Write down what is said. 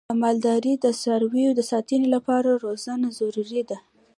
د مالدارۍ د څارویو د ساتنې لپاره روزنه ضروري ده.